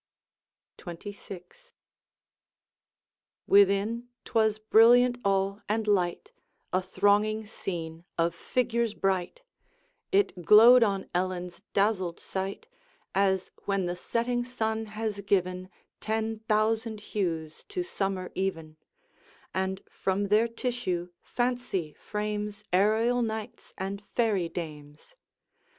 XXVI. Within 't was brilliant all and light, A thronging scene of figures bright; It glowed on Ellen's dazzled sight, As when the setting sun has given Ten thousand hues to summer even, And from their tissue fancy frames Aerial knights and fairy dames.